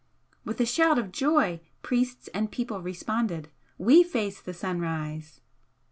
With a shout of joy priests and people responded: "We face the Sunrise!"